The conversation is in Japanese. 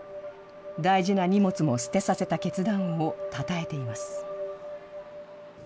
大事な荷物も捨てさせた決断をたたえています。